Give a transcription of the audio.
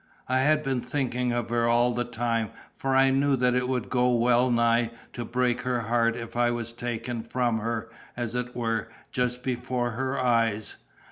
I had been thinking of her all the time, for I knew that it would go well nigh to break her heart if I was taken from her, as it were, just before her eyes.